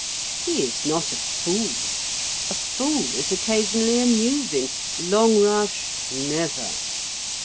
He is not a fool. A fool is occasionally amusing—Longrush never.